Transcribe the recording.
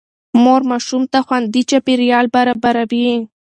مور ماشوم ته خوندي چاپېريال برابروي.